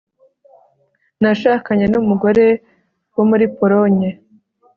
Nashakanye numugore wo muri Polonye